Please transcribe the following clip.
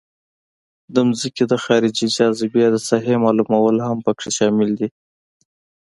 د ځمکې د خارجي جاذبې د ساحې معلومول هم پکې شامل دي